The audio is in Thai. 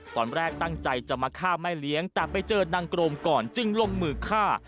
ตอนแรกตั้งใจจะมาฆ่าแม่เลี้ยงแต่ไปเจอนางกรมก่อนจึงลงมือฆ่า